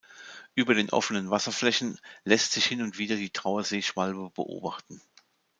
Über den offenen Wasserflächen lässt sich hin und wieder die Trauerseeschwalbe beobachten.